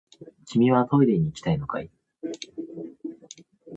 君はトイレに行きたいのかい？